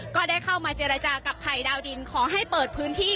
ก็ได้เข้ามาเจรจากับภัยดาวดินขอให้เปิดพื้นที่